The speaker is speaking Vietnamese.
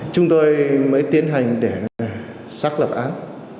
chúng tôi mới tiến hành để xác lập án